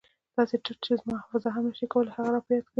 داسې تت چې زما حافظه هم نه شي کولای هغه را په یاد کړي.